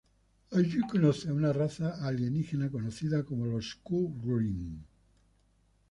Allí conoce a una raza alienígena conocida como los Q`wrrlln.